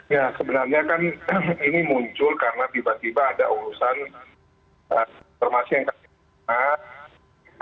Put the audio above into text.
ya sebenarnya kan ini muncul karena tiba tiba ada urusan informasi yang kami terima